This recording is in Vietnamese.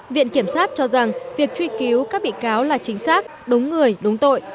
viện kiểm sát cho rằng việc truy cứu các bị cáo là chính xác đúng người đúng tội